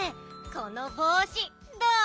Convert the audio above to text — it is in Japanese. このぼうしどう？